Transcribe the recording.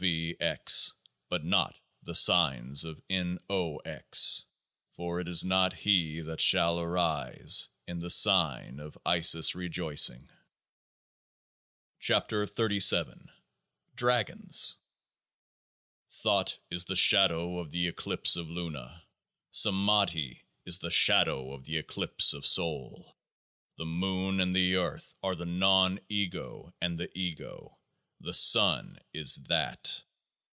V. X. but not the signs of N.O.X. ; for it is not he that shall arise in the Sign of Isis Rejoicing. 47 KEOAAH AZ DRAGONS Thought is the shadow of the eclipse of Luna. Samadhi is the shadow of the eclipse of Sol. The moon and the earth are the non ego and the ego : the Sun is THAT.